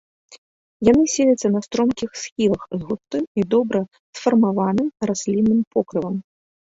Яны селяцца на стромкіх схілах з густым і добра сфармаваным раслінным покрывам.